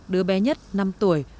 đứa bé nhất năm tuổi